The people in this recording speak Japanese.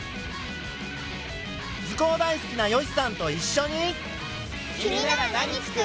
図工大好きなよしさんと一しょに。